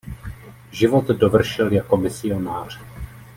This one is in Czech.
Život dovršil jako misionář.